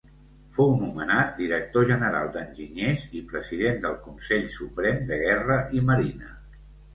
Fou nomenat Director general d'Enginyers i president del Consell Suprem de Guerra i Marina.